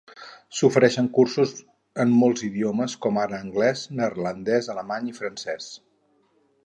S'ofereixen cursos en molts d'idiomes, com ara anglès, neerlandès, alemany i francès.